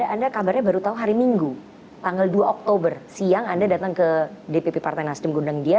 anda kabarnya baru tahu hari minggu tanggal dua oktober siang anda datang ke dpp partai nasdem gundeng dia